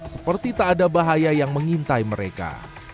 seperti tak ada bahaya yang mengintai mereka